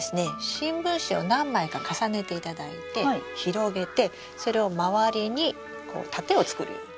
新聞紙を何枚か重ねていただいて広げてそれを周りにこう盾を作るように。